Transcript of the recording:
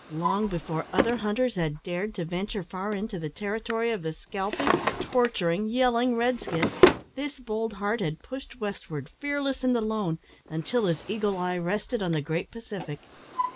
Long before other hunters had dared to venture far into the territory of the scalping, torturing, yelling red skin, this bold heart had pushed westward, fearless and alone, until his eagle eye rested on the great Pacific.